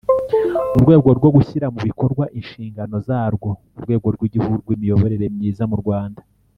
Mu rwego rwo gushyira mu bikorwa inshingano zarwo Urwego rw Igihugu rw Imiyoborere myiza mu Rwanda